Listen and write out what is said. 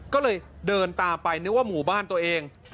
ก็เลยเดินตามไปนึกว่าหมู่บ้านตัวเอง